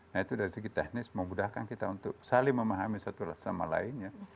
nah itu dari segi teknis memudahkan kita untuk saling memahami satu sama lainnya